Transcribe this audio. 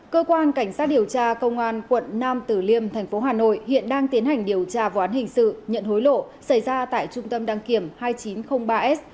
cơ quan cảnh sát điều tra công an quận nam tử liêm thành phố hà nội hiện đang tiến hành điều tra vụ án hình sự nhận hối lộ xảy ra tại trung tâm đăng kiểm hai nghìn chín trăm linh ba s